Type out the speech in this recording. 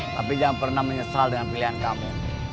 tapi jangan pernah menyesal dengan pilihan kamu